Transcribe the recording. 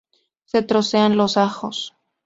Se trocean los ajos.